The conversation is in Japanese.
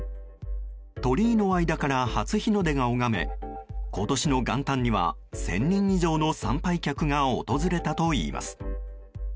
鳥居の間から初日の出が拝め今年の元旦には１０００人以上の参拝客が訪れたといいます。